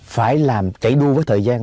phải làm chạy đu với thời gian